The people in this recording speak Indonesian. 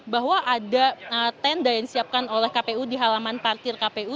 bahwa ada tenda yang disiapkan oleh kpu di halaman parkir kpu